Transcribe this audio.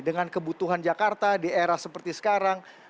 dengan kebutuhan jakarta di era seperti sekarang